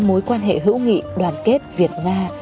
mối quan hệ hữu nghị đoàn kết việt nga